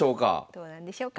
どうなんでしょうか。